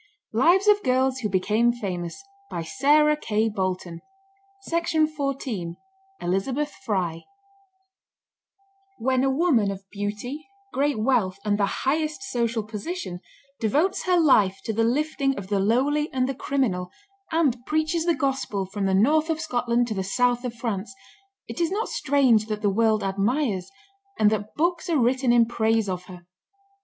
ELIZABETH FRY. [Illustration: My attached and obliged friend Elizabeth Fry] When a woman of beauty, great wealth, and the highest social position, devotes her life to the lifting of the lowly and the criminal, and preaches the Gospel from the north of Scotland to the south of France, it is not strange that the world admires, and that books are written in praise of her.